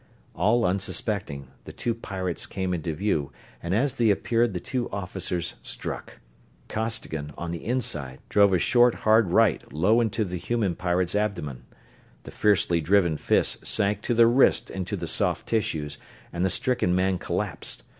All unsuspecting, the two pirates came into view, and as they appeared the two officers struck. Costigan, on the inside, drove a short, hard right low into the human pirate's abdomen. The fiercely driven fist sank to the wrist into the soft tissues and the stricken man collapsed.